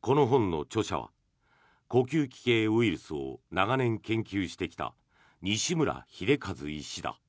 この本の著者は呼吸器系ウイルスを長年研究してきた西村秀一医師だ。